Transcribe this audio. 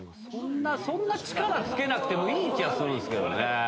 そんな力つけなくてもいい気がするんですけどね。